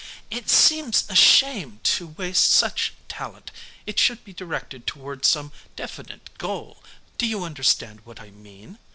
"It seems a shame to waste such talent; it should be directed toward some definite goal. Do you understand what I mean?